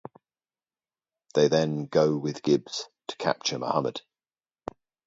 They then go with Gibbs to capture Mohammed.